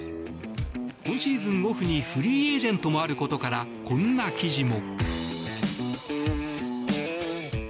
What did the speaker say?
今シーズンオフにフリーエージェントもあることから、こんな記事も。